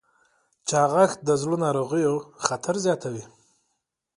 چاغښت د زړه ناروغیو خطر زیاتوي.